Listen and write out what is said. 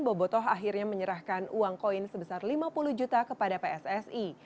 bobotoh akhirnya menyerahkan uang koin sebesar lima puluh juta kepada pssi